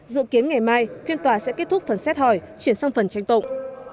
dự kiến ngày mai phiên tòa sẽ kết thúc phần xét hỏi chuyển sang phần tranh tụng